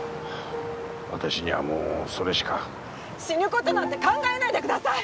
私にはもうそれしか死ぬことなんて考えないでください！